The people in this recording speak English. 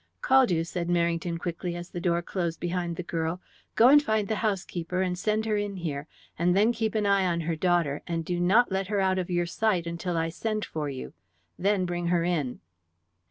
"Caldew," said Merrington quickly as the door closed behind the girl, "go and find the housekeeper and send her in here. And then keep an eye on her daughter, and do not let her out of your sight, until I send for you. Then bring her in."